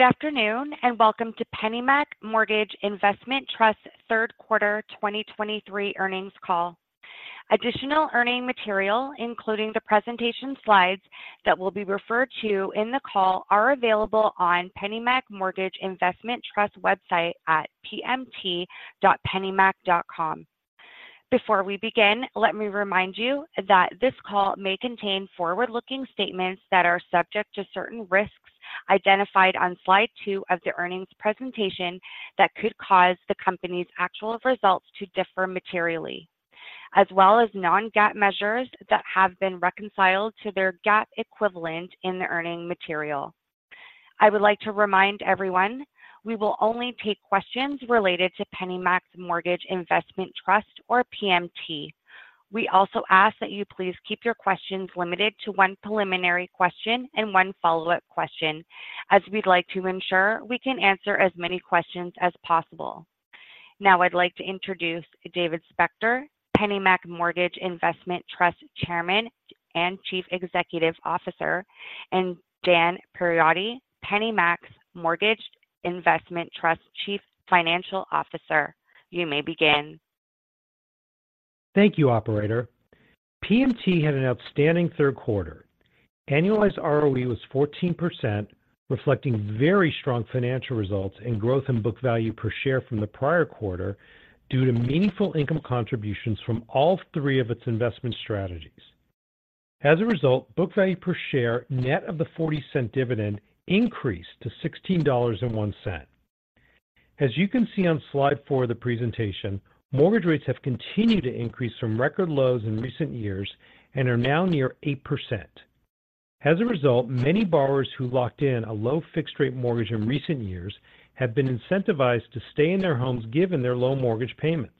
Good afternoon, and welcome to PennyMac Mortgage Investment Trust Q3 2023 Earnings Call. Additional earning material, including the presentation slides that will be referred to in the call, are available on PennyMac Mortgage Investment Trust website at pmt.pennymac.com. Before we begin, let me remind you that this call may contain forward-looking statements that are subject to certain risks identified on slide 2 of the earnings presentation that could cause the company's actual results to differ materially, as well as non-GAAP measures that have been reconciled to their GAAP equivalent in the earning material. I would like to remind everyone, we will only take questions related to PennyMac Mortgage Investment Trust or PMT. We also ask that you please keep your questions limited to 1 preliminary question and 1 follow-up question, as we'd like to ensure we can answer as many questions as possible. Now, I'd like to introduce David Spector, PennyMac Mortgage Investment Trust Chairman and Chief Executive Officer, and Dan Perotti, PennyMac Mortgage Investment Trust's Chief Financial Officer. You may begin. Thank you, operator. PMT had an outstanding Q3. Annualized ROE was 14%, reflecting very strong financial results and growth in book value per share from the prior quarter due to meaningful income contributions from all three of its investment strategies. As a result, book value per share, net of the $0.40 dividend, increased to $16.01. As you can see on slide 4 of the presentation, mortgage rates have continued to increase from record lows in recent years and are now near 8%. As a result, many borrowers who locked in a low fixed rate mortgage in recent years have been incentivized to stay in their homes, given their low mortgage payments.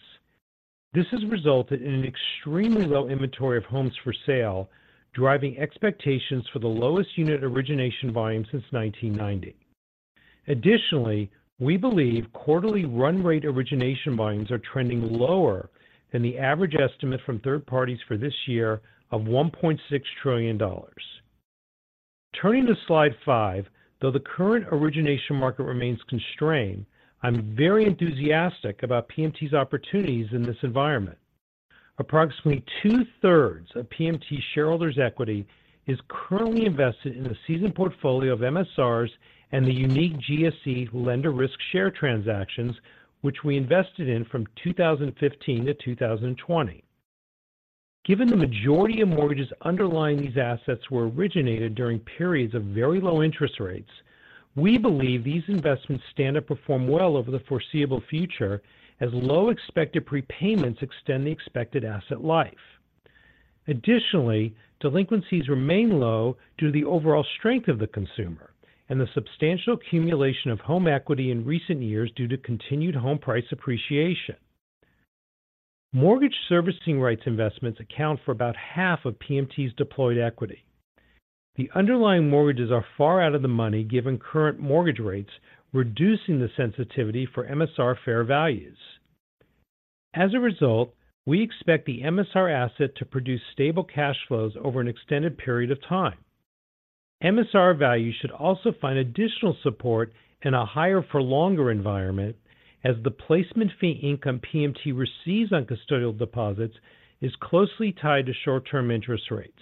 This has resulted in an extremely low inventory of homes for sale, driving expectations for the lowest unit origination volume since 1990. Additionally, we believe quarterly run rate origination volumes are trending lower than the average estimate from third parties for this year of $1.6 trillion. Turning to Slide 5, though the current origination market remains constrained, I'm very enthusiastic about PMT's opportunities in this environment. Approximately two-thirds of PMT's shareholders' equity is currently invested in a seasoned portfolio of MSRs and the unique GSE lender risk share transactions, which we invested in from 2015 to 2020. Given the majority of mortgages underlying these assets were originated during periods of very low interest rates, we believe these investments stand to perform well over the foreseeable future as low expected prepayments extend the expected asset life. Additionally, delinquencies remain low due to the overall strength of the consumer and the substantial accumulation of home equity in recent years due to continued home price appreciation. Mortgage servicing rights investments account for about half of PMT's deployed equity. The underlying mortgages are far out of the money given current mortgage rates, reducing the sensitivity for MSR fair values. As a result, we expect the MSR asset to produce stable cash flows over an extended period of time. MSR value should also find additional support in a higher for longer environment as the placement fee income PMT receives on custodial deposits is closely tied to short-term interest rates.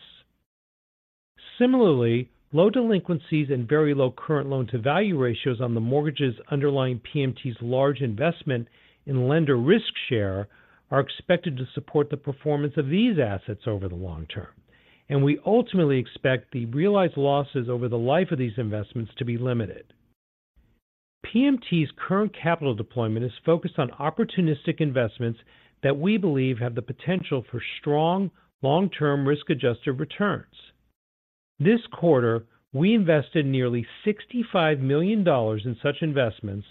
Similarly, low delinquencies and very low current loan-to-value ratios on the mortgages underlying PMT's large investment in lender risk share are expected to support the performance of these assets over the long term, and we ultimately expect the realized losses over the life of these investments to be limited. PMT's current capital deployment is focused on opportunistic investments that we believe have the potential for strong, long-term, risk-adjusted returns. This quarter, we invested nearly $65 million in such investments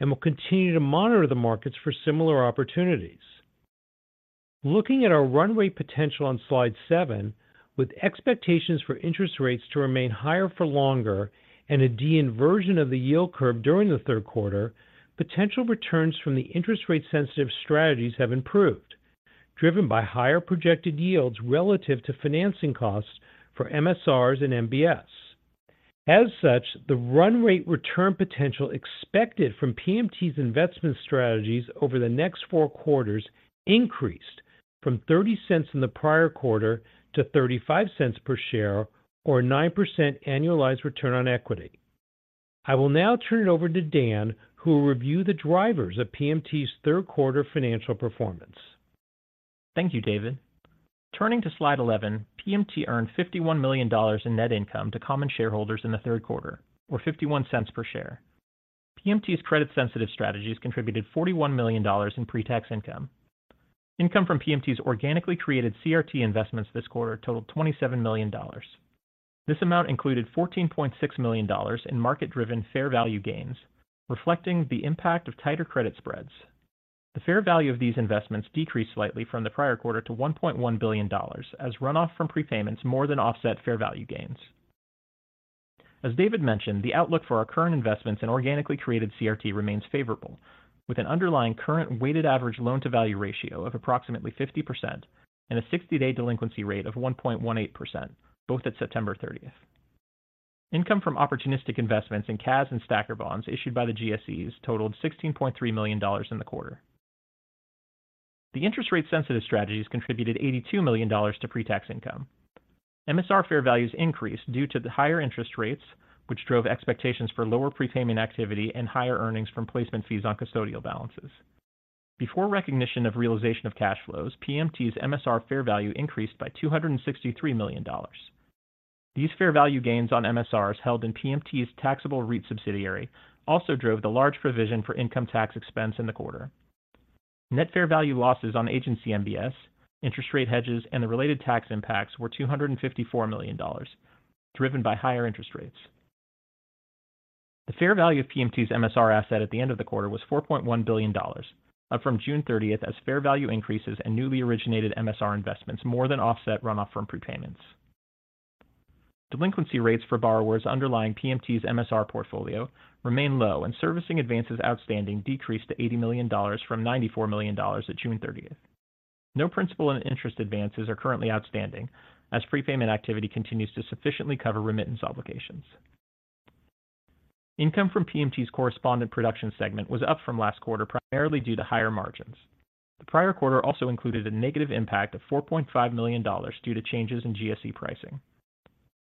and will continue to monitor the markets for similar opportunities. Looking at our run rate potential on Slide 7, with expectations for interest rates to remain higher for longer and a de-inversion of the yield curve during the Q3, potential returns from the interest rate-sensitive strategies have improved, driven by higher projected yields relative to financing costs for MSRs and MBS. As such, the run rate return potential expected from PMT's investment strategies over the next Q4 increased from $0.30 in the prior quarter to $0.35 per share or a 9% annualized return on equity. I will now turn it over to Dan, who will review the drivers of PMT's Q3 financial performance. Thank you, David. Turning to Slide 11, PMT earned $51 million in net income to common shareholders in the Q3, or $0.51 per share. PMT's credit-sensitive strategies contributed $41 million in pre-tax income. Income from PMT's organically created CRT investments this quarter totaled $27 million. This amount included $14.6 million in market-driven fair value gains, reflecting the impact of tighter credit spreads. The fair value of these investments decreased slightly from the prior quarter to $1.1 billion, as runoff from prepayments more than offset fair value gains. As David mentioned, the outlook for our current investments in organically created CRT remains favorable, with an underlying current weighted average loan-to-value ratio of approximately 50% and a sixty-day delinquency rate of 1.18%, both at September 30th. Income from opportunistic investments in CAS and STACR bonds issued by the GSEs totaled $16.3 million in the quarter. The interest rate-sensitive strategies contributed $82 million to pre-tax income. MSR fair values increased due to the higher interest rates, which drove expectations for lower prepayment activity and higher earnings from placement fees on custodial balances. Before recognition of realization of cash flows, PMT's MSR fair value increased by $263 million. These fair value gains on MSRs held in PMT's taxable REIT subsidiary also drove the large provision for income tax expense in the quarter. Net fair value losses on agency MBS, interest rate hedges, and the related tax impacts were $254 million, driven by higher interest rates. The fair value of PMT's MSR asset at the end of the quarter was $4.1 billion, up from June 30, as fair value increases and newly originated MSR investments more than offset runoff from prepayments. Delinquency rates for borrowers underlying PMT's MSR portfolio remain low, and servicing advances outstanding decreased to $80 million from $94 million at June 30. No principal and interest advances are currently outstanding, as prepayment activity continues to sufficiently cover remittance obligations. Income from PMT's correspondent production segment was up from last quarter, primarily due to higher margins. The prior quarter also included a negative impact of $4.5 million due to changes in GSE pricing.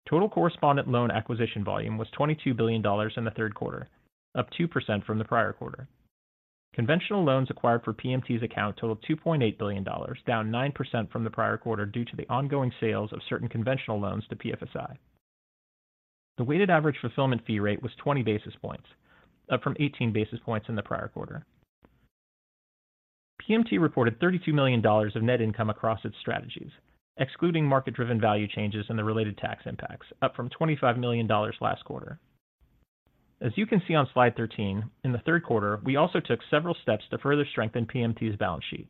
Total correspondent loan acquisition volume was $22 billion in the Q3, up 2% from the prior quarter. Conventional loans acquired for PMT's account totaled $2.8 billion, down 9% from the prior quarter due to the ongoing sales of certain conventional loans to PFSI. The weighted average fulfillment fee rate was 20 basis points, up from 18 basis points in the prior quarter. PMT reported $32 million of net income across its strategies, excluding market-driven value changes and the related tax impacts, up from $25 million last quarter. As you can see on slide 13, in the Q3, we also took several steps to further strengthen PMT's balance sheet.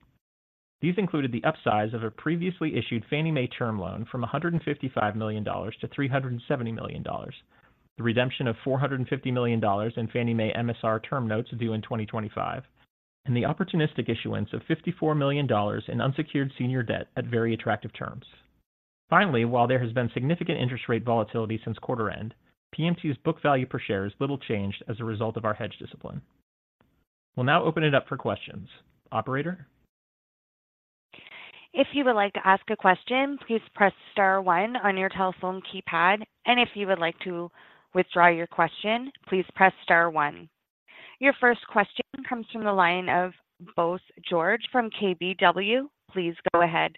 These included the upsize of a previously issued Fannie Mae term loan from $155 million to $370 million, the redemption of $450 million in Fannie Mae MSR term notes due in 2025, and the opportunistic issuance of $54 million in unsecured senior debt at very attractive terms. Finally, while there has been significant interest rate volatility since quarter end, PMT's book value per share is little changed as a result of our hedge discipline. We'll now open it up for questions. Operator? If you would like to ask a question, please press star one on your telephone keypad, and if you would like to withdraw your question, please press star one. Your first question comes from the line of Bose George from KBW. Please go ahead.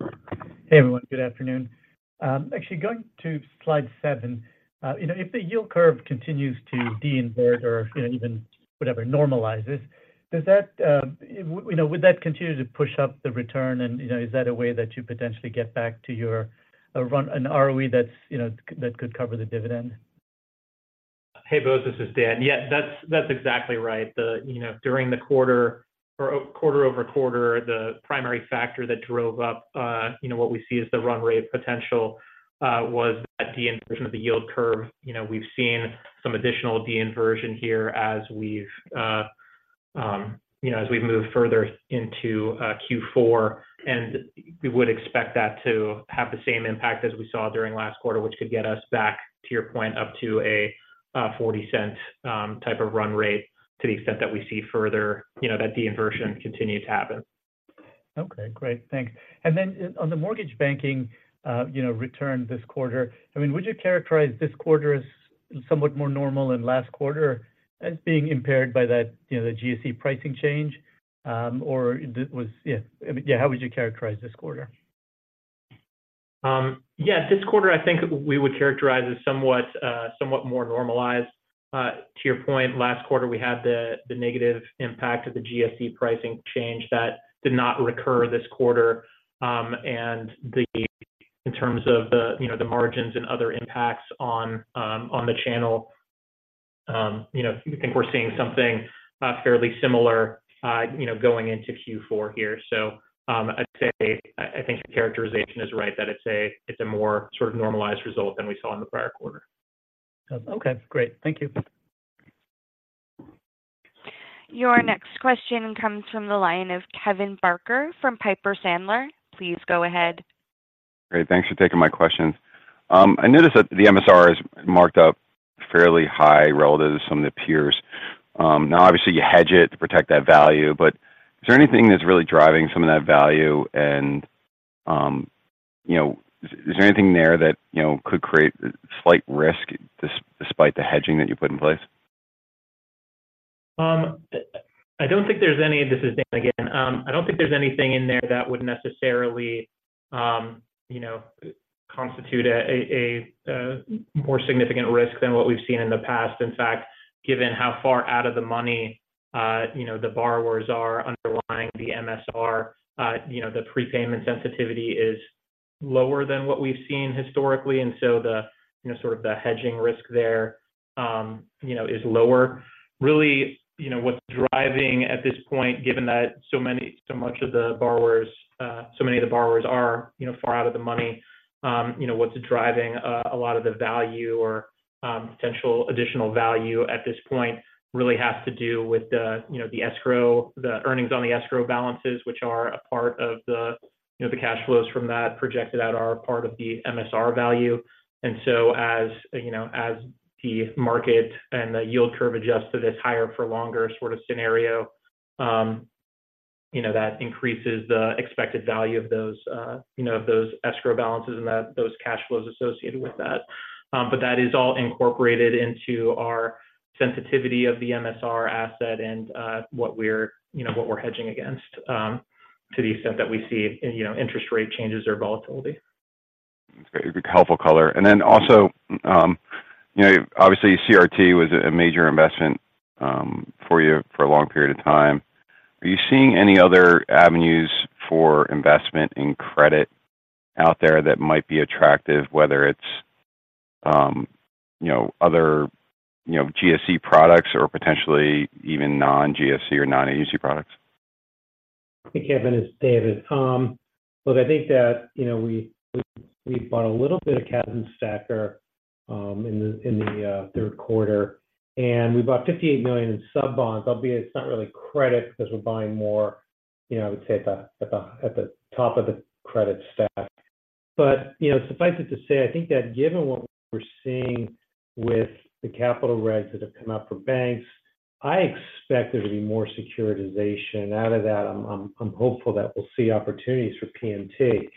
Hey, everyone. Good afternoon. Actually, going to slide seven, you know, if the yield curve continues to deinvert or, you know, even whatever, normalizes, does that, you know, would that continue to push up the return? And, you know, is that a way that you potentially get back to your, run an ROE that's, you know, that could cover the dividend? Hey, Bose, this is Dan. Yeah, that's, that's exactly right. The, you know, during the quarter or quarter-over-quarter, the primary factor that drove up, you know, what we see as the run rate potential, was that de-inversion of the yield curve. You know, we've seen some additional de-inversion here as we've, you know, as we've moved further into, Q4, and we would expect that to have the same impact as we saw during last quarter, which could get us back, to your point, up to a $0.40 type of run rate to the extent that we see further, you know, that de-inversion continue to happen. Okay, great. Thanks. Then on the mortgage banking, you know, return this quarter, I mean, would you characterize this quarter as somewhat more normal than last quarter, as being impaired by that, you know, the GSE pricing change? How would you characterize this quarter? Yeah, this quarter, I think we would characterize as somewhat more normalized. To your point, last quarter, we had the negative impact of the GSE pricing change that did not recur this quarter. And in terms of, you know, the margins and other impacts on the channel, you know, I think we're seeing something fairly similar, you know, going into Q4 here. So, I'd say I think the characterization is right, that it's a more sort of normalized result than we saw in the prior quarter. Okay, great. Thank you. Your next question comes from the line of Kevin Barker from Piper Sandler. Please go ahead. Great. Thanks for taking my questions. I noticed that the MSR is marked up fairly high relative to some of the peers. Now, obviously, you hedge it to protect that value, but is there anything that's really driving some of that value? And, you know, is there anything there that, you know, could create slight risk despite the hedging that you put in place? This is Dan again. I don't think there's anything in there that would necessarily, you know, constitute a more significant risk than what we've seen in the past. In fact, given how far out of the money, you know, the borrowers are underlying the MSR, you know, the prepayment sensitivity is lower than what we've seen historically, and so the, you know, sort of the hedging risk there, you know, is lower. Really, you know, what's driving at this point, given that so many of the borrowers are, you know, far out of the money, you know, what's driving a lot of the value or potential additional value at this point really has to do with the, you know, the escrow, the earnings on the escrow balances, which are part of the, you know, the cash flows from that projected out are part of the MSR value. And so as, you know, as the market and the yield curve adjusts to this higher for longer sort of scenario, you know, that increases the expected value of those, you know, of those escrow balances and those cash flows associated with that. But that is all incorporated into our sensitivity of the MSR asset and what we're hedging against, to the extent that we see, you know, interest rate changes or volatility. That's very helpful color. And then also, you know, obviously, CRT was a major investment for you for a long period of time. Are you seeing any other avenues for investment in credit out there that might be attractive, whether it's, you know, other, you know, GSE products or potentially even non-GSE or non-agency products? Hey, Kevin, it's David. Look, I think that, you know, we bought a little bit of CAS and STACR in the Q3, and we bought $58 million in sub bonds, albeit it's not really credit because we're buying more, you know, I would say, at the top of the credit stack. But, you know, suffice it to say, I think that given what we're seeing with the capital regs that have come out for banks, I expect there to be more securitization. Out of that, I'm hopeful that we'll see opportunities for PMT.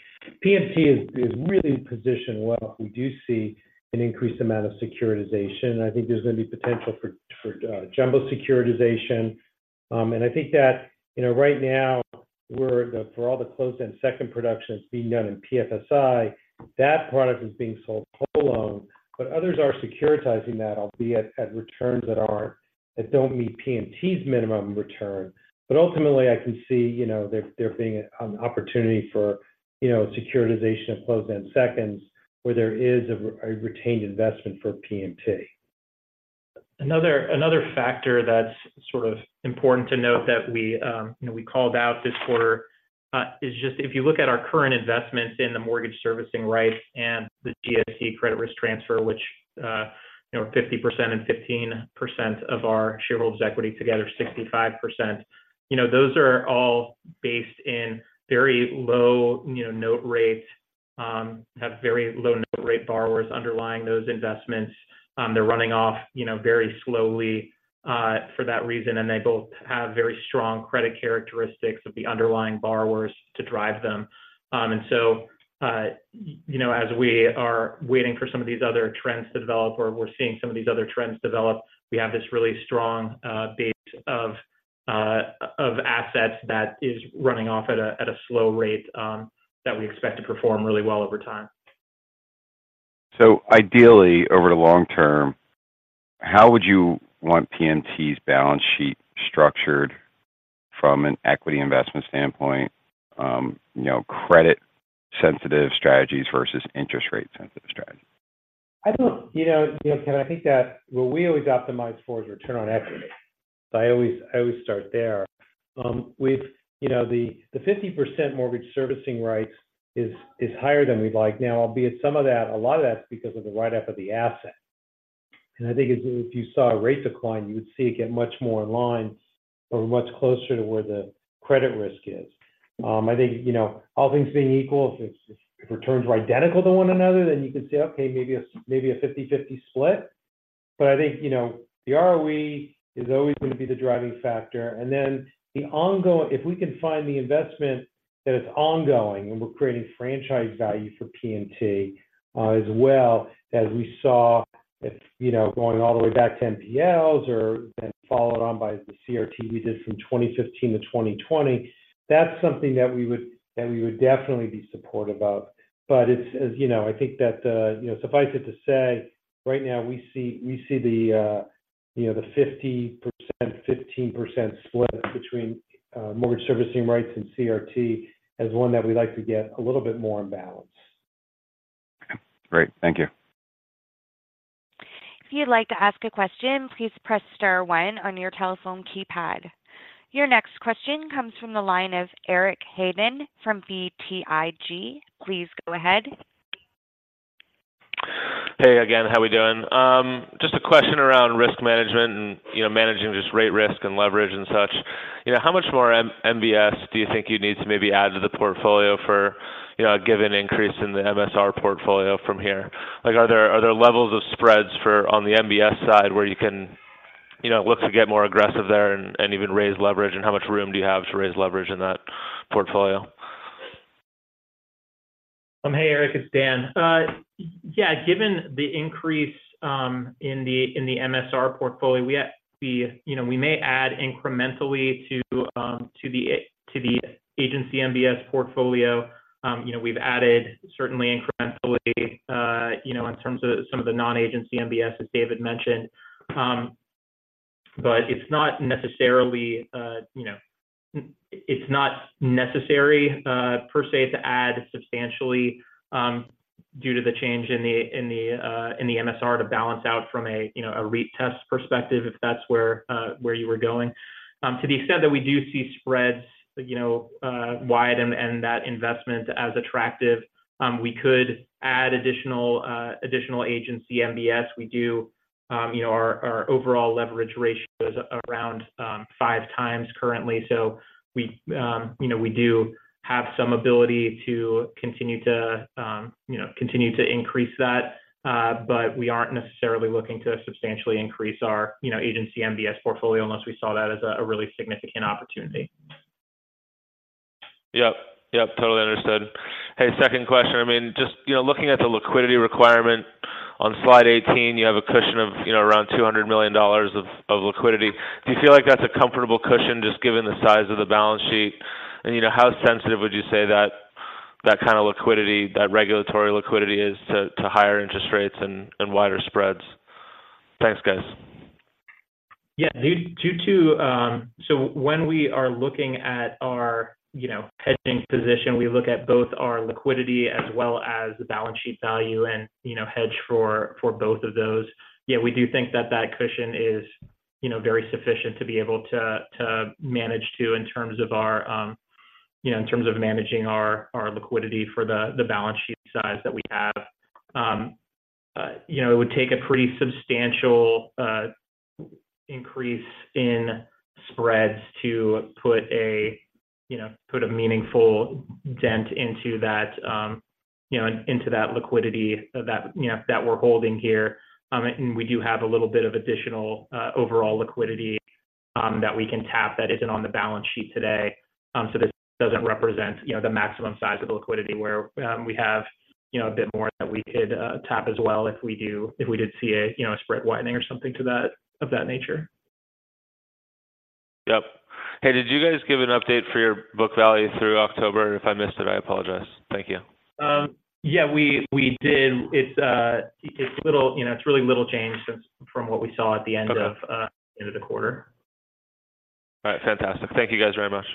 PMT is really positioned well if we do see an increased amount of securitization, and I think there's going to be potential for jumbo securitization. And I think that, you know, right now, we're for all the closed-end second production that's being done in PFSI, that product is being sold whole loan, but others are securitizing that, albeit at returns that don't meet PMT's minimum return. But ultimately, I can see, you know, there being an opportunity for, you know, securitization of closed-end seconds where there is a retained investment for PMT. Another factor that's sort of important to note that we, you know, we called out this quarter, is just if you look at our current investments in the mortgage servicing rights and the GSE credit risk transfer, which, you know, 50% and 15% of our shareholders' equity together, 65%, you know, those are all based in very low, you know, note rates, have very low note rate borrowers underlying those investments. They're running off, you know, very slowly, for that reason, and they both have very strong credit characteristics of the underlying borrowers to drive them. And so, you know, as we are waiting for some of these other trends to develop or we're seeing some of these other trends develop, we have this really strong base of assets that is running off at a slow rate that we expect to perform really well over time. So ideally, over the long term, how would you want PMT's balance sheet structured from an equity investment standpoint, you know, credit-sensitive strategies versus interest rate-sensitive strategies? I think, you know, Kevin, I think that what we always optimize for is return on equity. So I always, I always start there. We've... You know, the 50% mortgage servicing rights is higher than we'd like now, albeit some of that - a lot of that's because of the write-up of the asset. And I think if you saw a rate decline, you would see it get much more in line or much closer to where the credit risk is. I think, you know, all things being equal, if returns are identical to one another, then you could say, "Okay, maybe a 50/50 split." But I think, you know, the ROE is always going to be the driving factor. If we can find the investment that is ongoing, and we're creating franchise value for PMT, as well as we saw it, you know, going all the way back to NPLs or then followed on by the CRT we did from 2015 to 2020, that's something that we would definitely be supportive of. But as you know, I think that, you know, suffice it to say, right now, we see the 50%, 15% split between mortgage servicing rights and CRT as one that we'd like to get a little bit more in balance. Okay. Great. Thank you. If you'd like to ask a question, please press star one on your telephone keypad. Your next question comes from the line of Eric Hagen from BTIG. Please go ahead. Hey again. How are we doing? Just a question around risk management and, you know, managing just rate risk and leverage and such. You know, how much more MBS do you think you need to maybe add to the portfolio for, you know, a given increase in the MSR portfolio from here? Like, are there, are there levels of spreads for on the MBS side where you can, you know, look to get more aggressive there and, and even raise leverage? And how much room do you have to raise leverage in that portfolio? Hey, Eric, it's Dan. Yeah, given the increase in the MSR portfolio, we have to be, you know, we may add incrementally to the agency MBS portfolio. You know, we've added certainly incrementally, you know, in terms of some of the non-agency MBS, as David mentioned. But it's not necessarily, you know, it's not necessary, per se, to add substantially due to the change in the MSR to balance out from a, you know, a REIT test perspective, if that's where you were going. To the extent that we do see spreads, you know, wide and that investment as attractive, we could add additional agency MBS. We do... You know, our overall leverage ratio is around 5x currently. So we, you know, we do have some ability to continue to, you know, continue to increase that. But we aren't necessarily looking to substantially increase our, you know, agency MBS portfolio unless we saw that as a really significant opportunity. Yep. Yep, totally understood. Hey, second question. I mean, just, you know, looking at the liquidity requirement on slide 18, you have a cushion of, you know, around $200 million of liquidity. Do you feel like that's a comfortable cushion, just given the size of the balance sheet? And, you know, how sensitive would you say that kind of liquidity, that regulatory liquidity is to higher interest rates and wider spreads? Thanks, guys. Yeah. Due to so when we are looking at our, you know, hedging position, we look at both our liquidity as well as the balance sheet value and, you know, hedge for both of those. Yeah, we do think that cushion is, you know, very sufficient to be able to manage to in terms of our, you know, in terms of managing our liquidity for the balance sheet size that we have. You know, it would take a pretty substantial increase in spreads to put a meaningful dent into that, you know, into that liquidity that we're holding here. And we do have a little bit of additional overall liquidity that we can tap that isn't on the balance sheet today. So this doesn't represent, you know, the maximum size of the liquidity where we have, you know, a bit more that we could tap as well if we did see a, you know, a spread widening or something of that nature. Yep. Hey, did you guys give an update for your book value through October? If I missed it, I apologize. Thank you. Yeah, we did. It's really little change from what we saw at the end of- Okay... end of the quarter. All right. Fantastic. Thank you, guys, very much.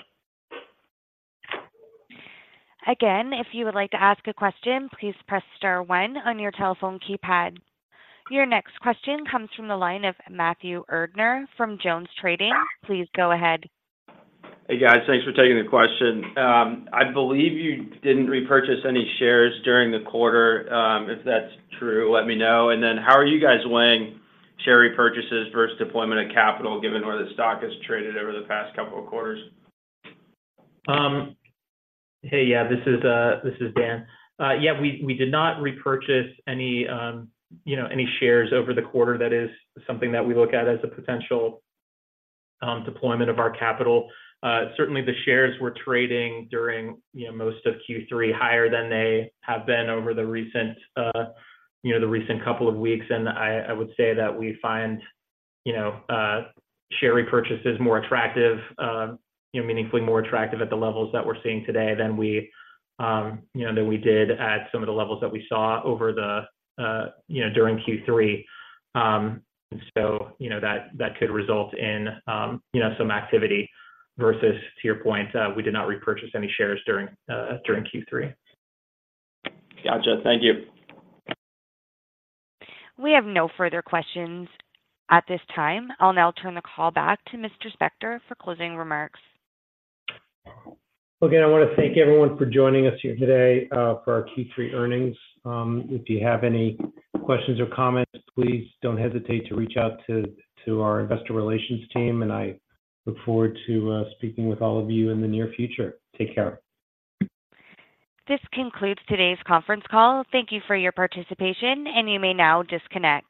Again, if you would like to ask a question, please press star one on your telephone keypad. Your next question comes from the line of Matthew Erdner from JonesTrading. Please go ahead. Hey, guys. Thanks for taking the question. I believe you didn't repurchase any shares during the quarter. If that's true, let me know. And then how are you guys weighing share repurchases versus deployment of capital, given where the stock has traded over the past couple of quarters? Hey, yeah, this is Dan. Yeah, we did not repurchase any, you know, any shares over the quarter. That is something that we look at as a potential deployment of our capital. Certainly, the shares were trading during, you know, most of Q3, higher than they have been over the recent, you know, the recent couple of weeks. And I would say that we find, you know, share repurchases more attractive, you know, meaningfully more attractive at the levels that we're seeing today than we, you know, than we did at some of the levels that we saw over the, you know, during Q3. So, you know, that could result in, you know, some activity versus, to your point, we did not repurchase any shares during Q3. Gotcha. Thank you. We have no further questions at this time. I'll now turn the call back to Mr. Spector for closing remarks. Again, I want to thank everyone for joining us here today, for our Q3 earnings. If you have any questions or comments, please don't hesitate to reach out to, to our investor relations team, and I look forward to, speaking with all of you in the near future. Take care. This concludes today's conference call. Thank you for your participation, and you may now disconnect.